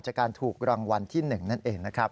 จากการถูกรางวัลที่๑นั่นเองนะครับ